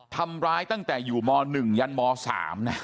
ทำร้ายตั้งแต่อยู่ม๑ยันม๓นะ